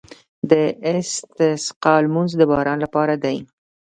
د استسقا لمونځ د باران لپاره دی.